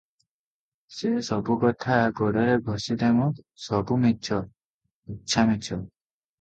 ସେ ସବୁ କଥା ଗୋଡ଼ରେ ଘଷି ଦେ ମ, ସବୁ ମିଛ, ତୁଚ୍ଛା ମିଛ ।